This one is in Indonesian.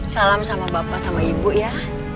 salam sama bapak sama ibu ya